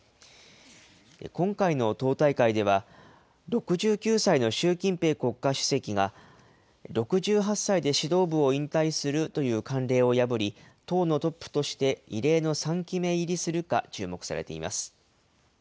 今回の党大会では６９歳の習近平国家主席が、６８歳で指導部を引退するという慣例を破り、党のトップとして異例の３期目入りするか注目されています。